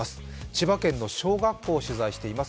千葉県の小学校を取材しています。